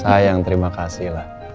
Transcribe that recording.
sayang terima kasih lah